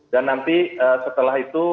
dan nanti setelah itu